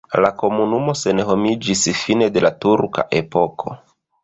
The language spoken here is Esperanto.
La komunumo senhomiĝis fine de la turka epoko.